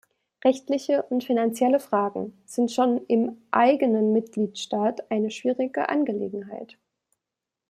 Rechtliche und finanzielle Fragen sind schon im eigenen Mitgliedstaat eine schwierige Angelegenheit.